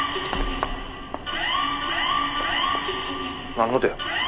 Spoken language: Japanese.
何の音や。